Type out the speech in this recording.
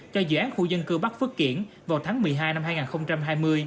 cho dự án khu dân cư bắc phước kiển vào tháng một mươi hai năm hai nghìn hai mươi